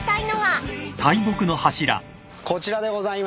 こちらでございます。